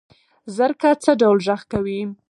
زرکه څه ډول غږ کوي؟